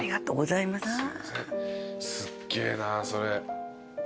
すっげえなそれ。